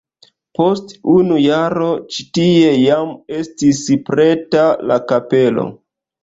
Post unu jaro ĉi tie jam estis preta la kapelo.